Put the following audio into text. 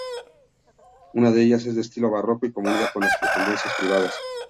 Una de ellas es de estilo barroco y comunica con las dependencias privadas.